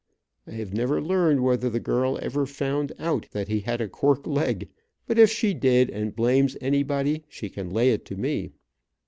I have never learned whether the girl ever found out that he had a cork leg, but if she did, and blames anybody, she can lay it to me.